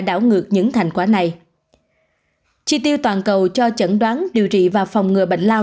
đảo ngược những thành quả này chi tiêu toàn cầu cho chẩn đoán điều trị và phòng ngừa bệnh lao